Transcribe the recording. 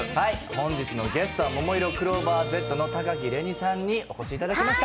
本日のゲストはももいろクローバーＺの高城れにさんにお越しいただきました。